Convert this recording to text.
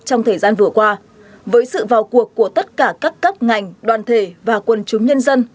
trong thời gian vừa qua với sự vào cuộc của tất cả các cấp ngành đoàn thể và quân chúng nhân dân